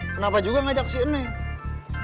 kenapa juga ngajak si neng